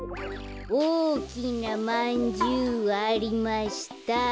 「おおきなまんじゅうありました」